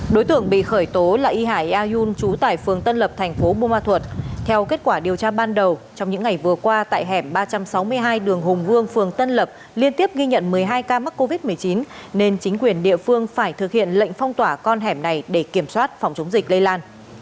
đối tượng bị khởi tố là y hải ayun trú tại phường tân lập thành phố bù ma thuật theo kết quả điều tra ban đầu trong những ngày vừa qua tại hẻm ba trăm sáu mươi hai đường hùng vương phường tân lập liên tiếp ghi nhận một mươi hai ca mắc covid một mươi chín nên chính quyền địa phương phải thực hiện lệnh phong tỏa con hẻm này để kiểm soát phòng chống dịch lây lan